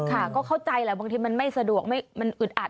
ค่ะก็เข้าใจแหละบางทีมันไม่สะดวกมันอึดอัด